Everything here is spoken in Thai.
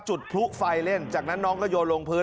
จุดพลุไฟเล่นจากนั้นน้องก็โยนลงพื้น